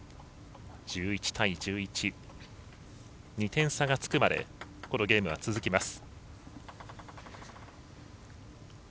２点差がつくまでこのゲームは続きます。